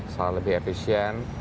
yang lebih efisien